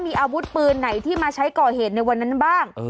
มีอาวุธปืนไหนที่มาใช้ก่อเหตุในวันนั้นบ้าง